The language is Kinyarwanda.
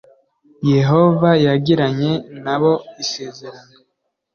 yehova yagiranyena bo isezerano.